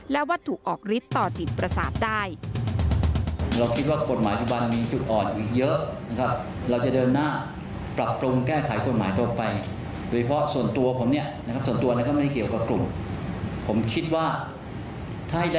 และวัตถุออกฤทธิ์ต่อจิตประสาทได้